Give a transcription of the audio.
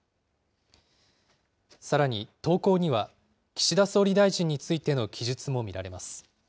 さらに投稿には、岸田総理大臣についての記述も見られます。